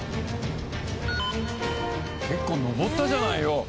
結構登ったじゃないよ！